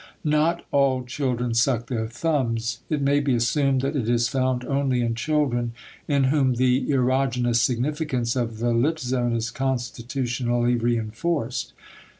Not all children suck their thumbs. It may be assumed that it is found only in children in whom the erogenous significance of the lip zone is constitutionally reënforced.